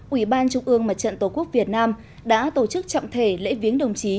ủy ban trung ương mặt trận tổ quốc việt nam đã tổ chức trọng thể lễ viếng đồng chí